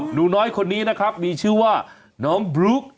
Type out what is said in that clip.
หนูน้อยคนนี้นะครับมีชื่อว่าน้องบลุ๊ก